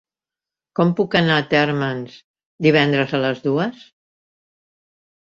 Com puc anar a Térmens divendres a les dues?